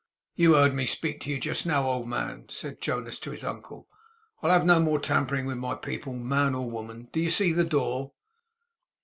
'You heard me speak to you just now, old man,' said Jonas to his uncle. 'I'll have no more tampering with my people, man or woman. Do you see the door?